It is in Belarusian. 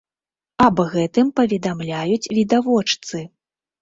Аб гэтым паведамляюць відавочцы.